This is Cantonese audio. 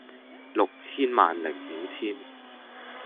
六千萬零五千